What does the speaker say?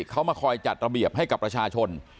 เขามาคอยจัดระเบียบให้กับประชาชน